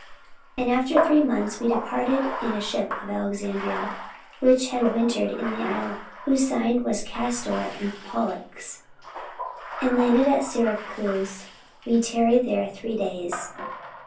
44:028:011 And after three months we departed in a ship of Alexandria, which had wintered in the isle, whose sign was Castor and Pollux. 44:028:012 And landing at Syracuse, we tarried there three days.